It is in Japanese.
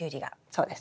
そうです。